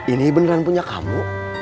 ini beneran punya kamu